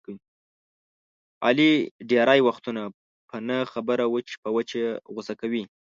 علي ډېری وختونه په نه خبره وچ په وچه غوسه کوي.